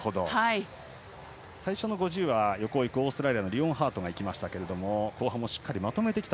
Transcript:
最初の５０はオーストラリアのリオンハートがいきましたが後半もしっかりまとめてきた